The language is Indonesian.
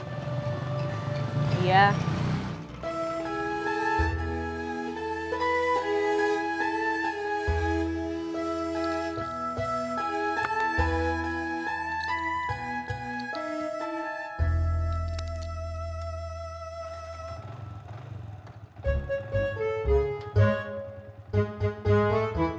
oke terima kasih